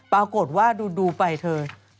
มาก่อโกดว่าดูไปเถอะ